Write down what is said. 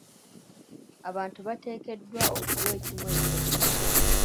Abantu bateekeddwa okuwa ekimu eky'ekkumi.